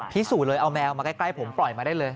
พิสูจน์เลยเอาแมวมาใกล้ผมปล่อยมาได้เลย